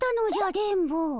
電ボ。